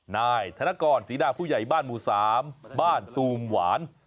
นายธนกรศรีดาผู้ใหญ่บ้านหมู่๓บ้านตูมหวาน